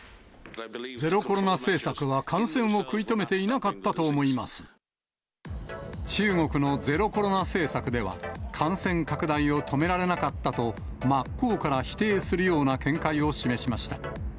ゼロコロナ政策は感染を食い中国のゼロコロナ政策では、感染拡大を止められなかったと、真っ向から否定するような見解を示しました。